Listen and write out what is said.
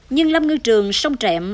nhưng lâm ngư trường sông trẹm